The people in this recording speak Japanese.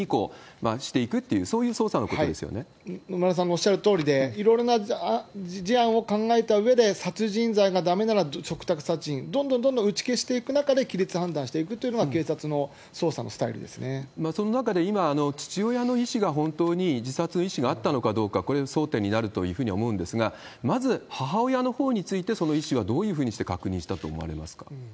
野村さんのおっしゃるとおりで、いろいろな事案を考えたうえで、殺人罪がだめなら嘱託殺人、どんどんどんどん打ち消していく中で擬律判断していくというのがその中で今、父親の意思が本当に自殺意思があったのかどうか、これ、争点になるというふうに思うんですが、まず母親のほうについて、その意思はどういうふうにして確認したと思われますか？